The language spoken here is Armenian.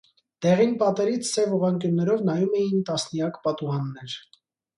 Դեղին պատերից սև ուղղանկյուններով նայում էին տասնյակ պատուհաններ։